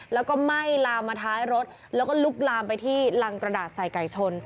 แล้วก็ไหม้ลามมาท้ายรถแล้วก็ลุกลามไปที่รังกระดาษใส่ไก่ชน